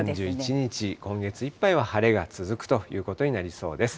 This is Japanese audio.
３１日、今月いっぱいは晴れが続くということになりそうです。